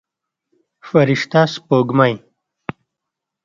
فرشته سپوږمۍ